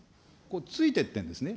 ついていってるんですね。